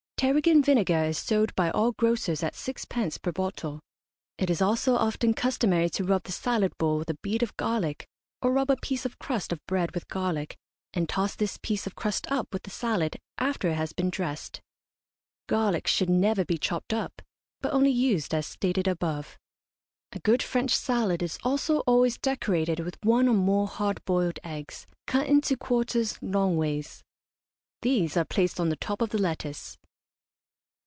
Tarragon vinegar is sold by all grocers at sixpence per bottle. It is also often customary to rub the salad bowl with a bead of garlic, or rub a piece of crust of bread with garlic, and toss this piece of crust up with the salad after it has been dressed. Garlic should never be chopped up, but only used as stated above. A good French salad is also always decorated with one or more hard boiled eggs, cut into quarters, longways. These are placed on the top of the lettuce.